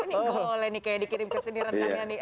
ini boleh nih kayak dikirim ke sini rentangnya nih